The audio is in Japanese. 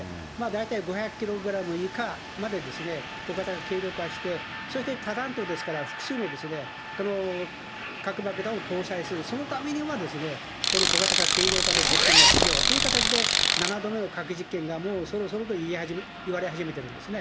大体５００キログラム以下までですね、小型、軽量化して、そして多弾頭ですから、複数の核爆弾を搭載する、そのためには、この小型化、軽量化の実験が必要という形で、７度目の核実験がもうそろそろといわれ始めてるんですね。